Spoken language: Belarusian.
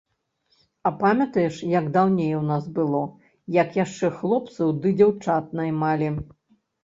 А памятаеш, як даўней у нас было, як яшчэ хлопцаў ды дзяўчат наймалі?